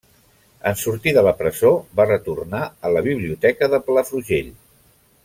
En sortir de la presó, va retornar a la biblioteca de Palafrugell.